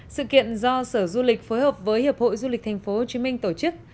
sự kiện do sở du lịch phối hợp với hiệp hội du lịch tp hcm tổ chức